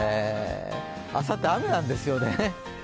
あさって、雨なんですよね。